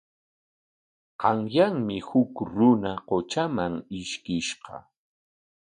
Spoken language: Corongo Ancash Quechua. Qanyanmi huk runa qutraman ishkishqa.